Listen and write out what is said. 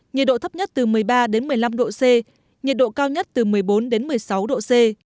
nhiệt độ thấp nhất từ một mươi ba đến một mươi năm độ c nhiệt độ cao nhất từ một mươi bốn đến một mươi sáu độ c